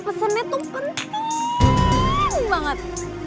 pesennya tuh penting banget